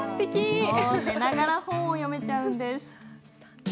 寝ながら本を読めちゃうんです。